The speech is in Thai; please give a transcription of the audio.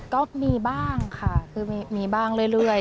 ก็มีบ้างค่ะคือมีบ้างเรื่อย